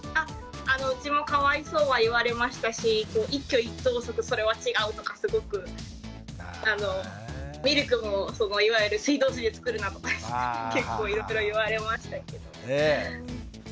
うちもかわいそうは言われましたし一挙手一投足それは違うとかすごくミルクもそのいわゆる水道水で作るなとか結構いろいろ言われましたけど。